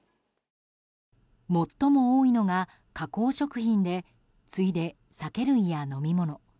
最も多いのが加工食品で次いで酒類や飲み物。